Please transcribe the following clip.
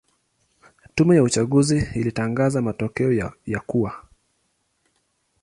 Tume ya uchaguzi ilitangaza matokeo ya kuwa